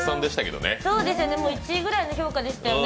１位ぐらいの評価でしたよね。